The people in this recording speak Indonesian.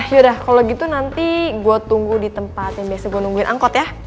yaudah kalau gitu nanti gue tunggu di tempat yang biasa gue nungguin angkot ya